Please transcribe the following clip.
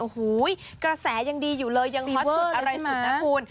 โอ้โหกระแสยังดีอยู่เลยยังฮอตสุดอะไรสุดนะคุณ